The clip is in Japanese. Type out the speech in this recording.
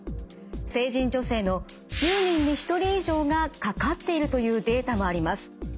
成人女性の１０人に１人以上がかかっているというデータもあります。